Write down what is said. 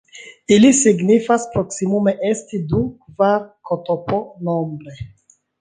Ili signifas proksimume 'esti du, kvar ktp nombre'.